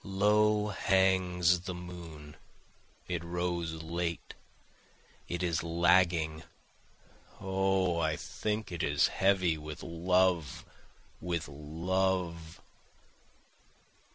Low hangs the moon, it rose late, It is lagging O I think it is heavy with love, with love.